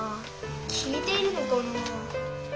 聞いてるのかな？